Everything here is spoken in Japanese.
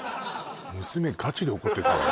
娘ガチで怒ってたわよ